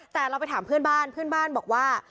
แต่เราไปถามเพื่อนบ้านเพื่อนบ้านบอกว่า